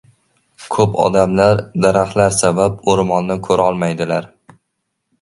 • Ko‘p odamlar daraxtlar sabab o‘rmonni ko‘rolmaydilar.